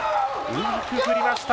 うまく振りました。